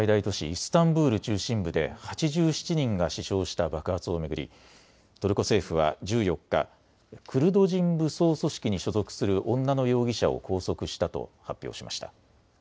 イスタンブール中心部で８７人が死傷した爆発を巡り、トルコ政府は１４日、クルド人武装組織に所属する女の容疑者を拘束したと発表しました。